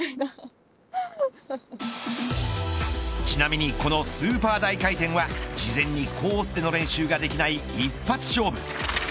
ちなみにこのスーパー大回転は事前にコースでの練習ができない一発勝負。